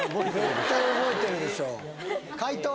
絶対覚えてるでしょ解答